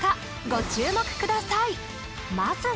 ご注目ください